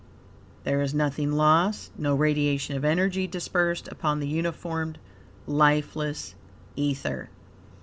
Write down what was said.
There is nothing lost, no radiation of energy dispersed upon the unformed, lifeless ether.